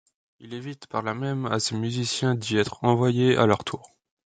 Il évite par là même à ses musiciens d'y être envoyés à leur tour.